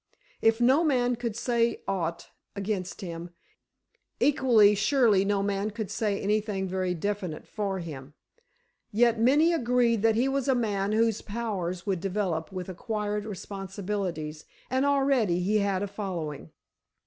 If no man could say aught against him, equally surely no man could say anything very definite for him. Yet many agreed that he was a man whose powers would develop with acquired responsibilities, and already he had a following.